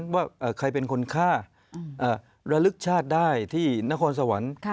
ว่าใครเป็นคนฆ่าระลึกชาติได้ที่นครสวรรค์